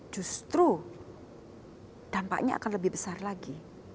justru dampaknya akan lebih besar lagi